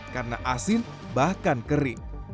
karena asin bahkan kering